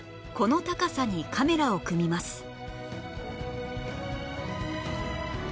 この高さにカメラを組みます